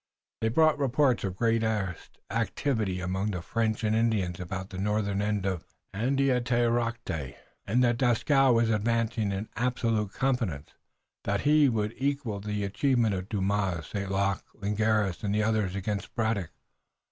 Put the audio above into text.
They brought reports of the greatest activity among the French and Indians about the northern end of Andiatarocte, and that Dieskau was advancing in absolute confidence that he would equal the achievement of Dumas, St. Luc, Ligneris and the others against Braddock.